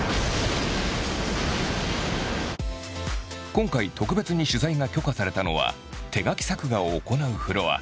今回特別に取材が許可されたのは手描き作画を行うフロア。